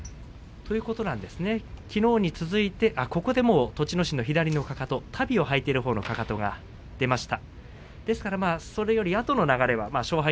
きのうに続いてここで、栃ノ心足袋を履いているほうの足が外に出ました。